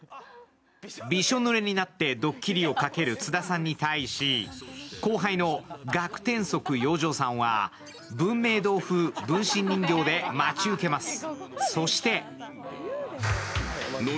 びしょぬれになってドッキリをかける津田さんに対し後輩のガクテンソク・よじょうさんは文明堂風分身人形で待ち受けます。